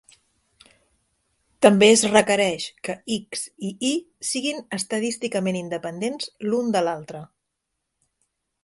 També es requereix que "X" i "Y" siguin estadísticament independents l'un de l'altre.